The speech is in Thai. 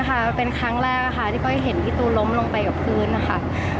ค่ะเป็นครั้งแรกค่ะที่ก้อยเห็นพี่ตูล้มลงไปกับพื้นนะคะ